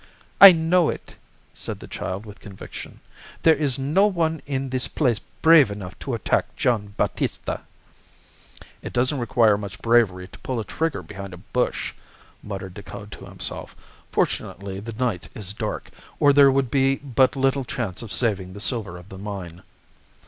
"I know it," said the child, with conviction. "There is no one in this place brave enough to attack Gian' Battista." "It doesn't require much bravery to pull a trigger behind a bush," muttered Decoud to himself. "Fortunately, the night is dark, or there would be but little chance of saving the silver of the mine."